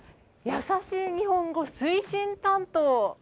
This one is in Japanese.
やさしい日本語推進担当。